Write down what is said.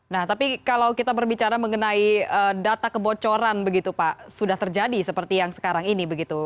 nah tapi kalau kita berbicara mengenai data kebocoran begitu pak sudah terjadi seperti yang sekarang ini begitu